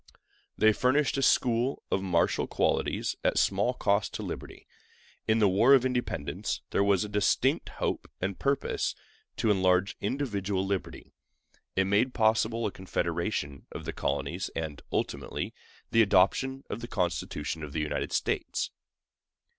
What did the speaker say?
They furnished a school of martial qualities at small cost to liberty. In the War of Independence there was a distinct hope and purpose to enlarge individual liberty. It made possible a confederation of the colonies, and, ultimately, the adoption of the Constitution of the United States.